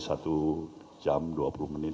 satu jam dua puluh menit